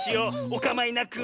おかまいなく。